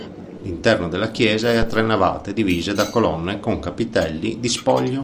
L'interno della chiesa è a tre navate divise da colonne con capitelli di spoglio.